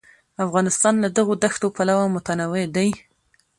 افغانستان له دغو دښتو پلوه متنوع دی.